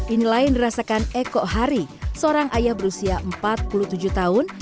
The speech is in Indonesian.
inilah yang dirasakan eko hari seorang ayah berusia empat puluh tujuh tahun